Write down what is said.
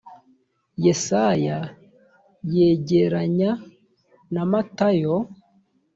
yesaya gereranya na matayo